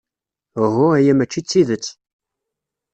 Uhu, aya mačči d tidet.